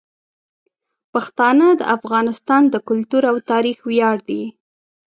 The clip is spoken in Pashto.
پښتانه د افغانستان د کلتور او تاریخ ویاړ دي.